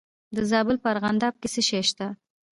د زابل په ارغنداب کې څه شی شته؟